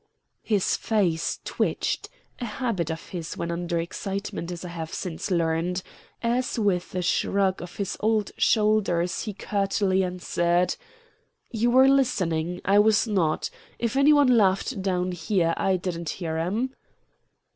His face twitched a habit of his when under excitement, as I have since learned as with a shrug of his old shoulders he curtly answered: "You were listening; I was not. If any one laughed down here I didn't hear 'em."